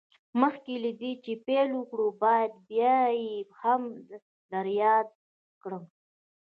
مخکې له دې چې پيل وکړو بايد بيا يې هم در ياده کړم.